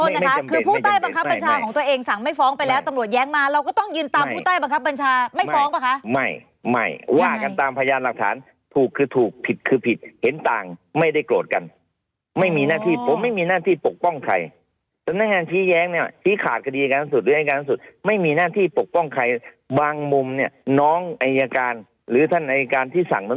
แน่นอนแน่นอนเป็นอันนั้นหน้าที่ของเขาเขาก็ทำหน้าที่ของเขา